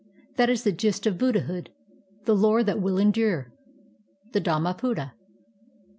That is the gist of Buddhahood, The lore that will endure. The Dhatnmapada.